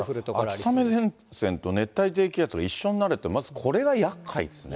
だから秋雨前線と熱帯低気圧が一緒になるって、やっかいですね。